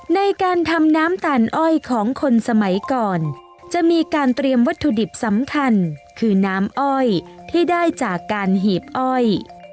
ในการทำน้ำตาลอ้อยของคนสมัยก่อนจะมีการเตรียมวัตถุดิบสำคัญคือน้ำอ้อยที่ได้จากการหีบอ้อย